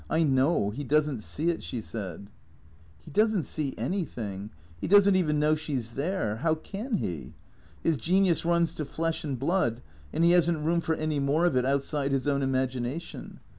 " I know. He does n't see it," she said. " He does n't see anything. He does n't even know she 's there. How can he? His genius runs to flesh and blood, and he has n't room for any more of it outside his own imagination.